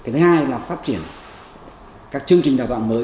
thứ hai là phát triển các chương trình đào tạo mới